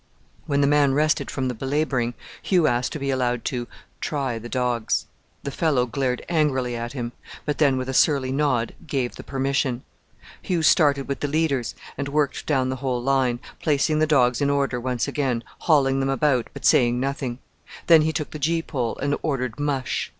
When the man rested from the belabouring, Hugh asked to be allowed to "try the dogs." The fellow glared angrily at him; but then, with a surly nod, gave the permission. Hugh started with the leaders, and worked down the whole line, placing the dogs in order once again, hauling them about, but saying nothing. Then he took the gee pole, and ordered "mush."